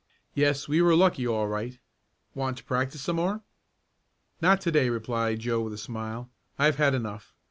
Yes, we were lucky all right. Want to practice some more?" "Not to day," replied Joe with a smile. "I've had enough.